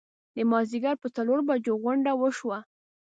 د مازیګر پر څلورو بجو غونډه وشوه.